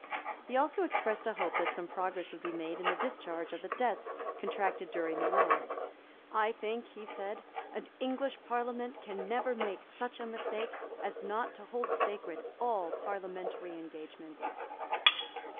He also expressed a hope that some progress would be made in the discharge of the debts contracted during the War. "I think," he said, "an English Parliament can never make such a mistake as not to hold sacred all Parliamentary engagements."